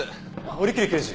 堀切刑事。